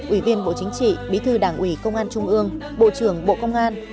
ủy viên bộ chính trị bí thư đảng ủy công an trung ương bộ trưởng bộ công an